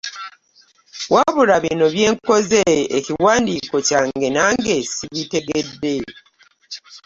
Wabula bino byenakoze ekiwandiiko kyange nange sabitegedde .